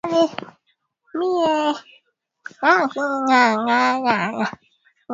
la Shirikisho la Kirusi linajumlisha sehemu kubwa